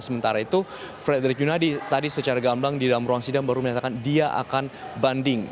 sementara itu frederick yunadi tadi secara gamblang di dalam ruang sidang baru menyatakan dia akan banding